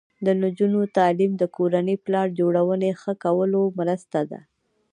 د نجونو تعلیم د کورنۍ پلان جوړونې ښه کولو مرسته ده.